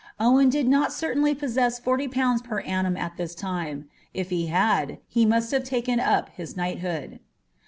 Owen did nol ceitaiidy possess ^■■n pounds per annum at this tmie : if he had, he must have taken up ^Bia knighthood.